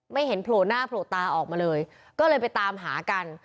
ไม่เห็นโผล่หน้าโผล่ตาออกมาเลยก็เลยไปตามหากัน